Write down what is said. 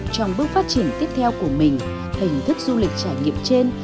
trong bước phát triển tiếp theo của mình hình thức du lịch trải nghiệm trên